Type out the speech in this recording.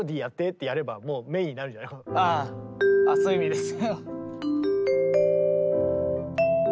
あそういう意味です。